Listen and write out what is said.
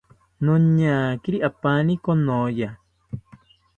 Noñakiri apaani konoya